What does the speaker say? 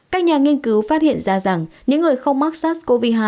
các nhà nghiên cứu phát hiện ra rằng những người không mắc sars cov hai